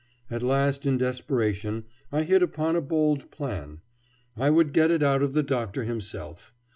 At last, in desperation, I hit upon a bold plan. I would get it out of the Doctor himself.